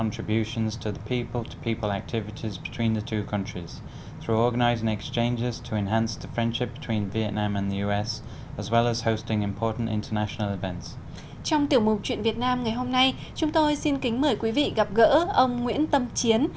trong tiểu mục chuyện việt nam ngày hôm nay chúng tôi xin kính mời quý vị gặp gỡ ông nguyễn tâm chiến